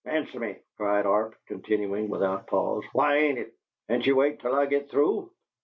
Answer me!" cried Mr. Arp, continuing, without pause: "Why ain't it? Can't you wait till I git through?